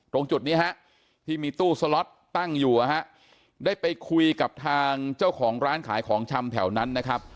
ตรงจุดนี้ฮะที่มีตู้สล็อตตั้งอยู่นะฮะได้ไปคุยกับทางเจ้าของร้านขายของชำแถวนั้นนะครับ